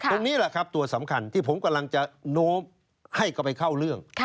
ตรงนี้แหละครับตัวสำคัญที่ผมกำลังจะโน้มให้เขาไปเข้าเรื่อง